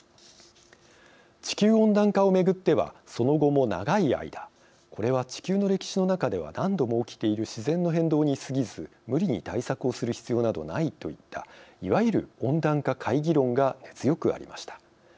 地球温暖化をめぐってはその後も長い間これは地球の歴史の中では何度も起きている自然の変動にすぎず無理に対策をする必要など無いといったいわゆる温暖化懐疑論が根強くありました。